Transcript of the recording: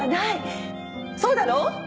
そうだろう？